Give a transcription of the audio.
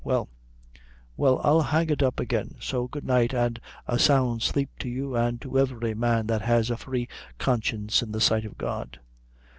Well, well I'll hang it up again; so good night, an' a sound sleep to you, an' to every man that has a free conscience in the sight of God!"